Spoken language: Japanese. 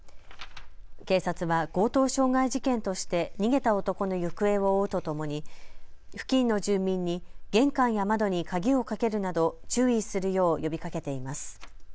警察は強盗傷害事件として逃げた男の行方を追うとともに付近の住民に玄関や窓に鍵をかけるなど注意するよう呼びかけています。